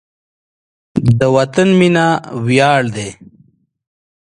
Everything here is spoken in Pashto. د وطن مینه ویاړ دی.